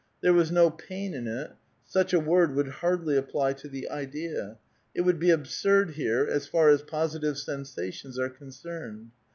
There was no pain in it — such a word would hardly apply to the idea ; it would be absurd here, as far as positive sensations are concerned.